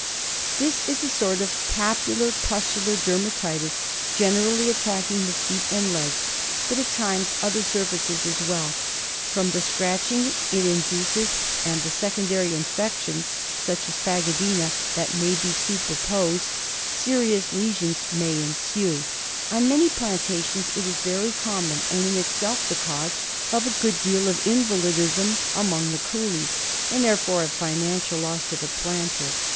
This is a sort of papulo pustular dermatitis, generally attacking the feet and legs, but at times other surfaces as well. From the scratching it induces, and the secondary COOLIE OR GROUND ITCH. 21 infections — such as phagedena. — that may be superposed, serious lesions may ensue. On many plantations it is very common and is itself the cause of a good deal of invalidism among the coolies, and therefore of financial loss to the planter.